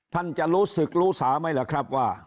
ท่านจะรู้สึกรู้สาไหมล่ะครับว่า